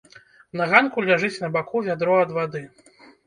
На ганку ляжыць на баку вядро ад вады.